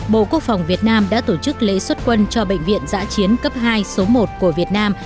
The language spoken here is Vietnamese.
bộ quốc phòng việt nam đã tổ chức lễ xuất quân cho bệnh viện giã chiến cấp hai số một của việt nam